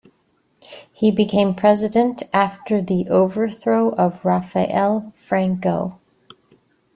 He became president after the overthrow of Rafael Franco.